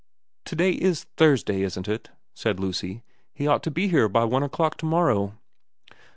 ' To day is Thursday, isn't it,' said Lucy. ' He ought to be here by one o'clock to morrow.'